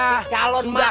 mas di calon mak